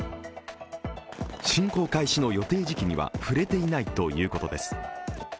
侵攻開始の予定時期には触れていないということです。